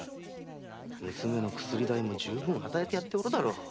娘の薬代もじゅうぶん与えてやっておるだろう。